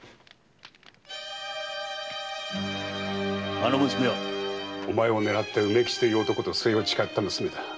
あの娘は⁉お前を狙った梅吉という男と末を誓った娘だ。